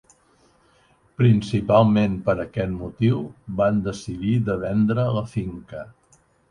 Principalment per aquest motiu van decidir de vendre la finca.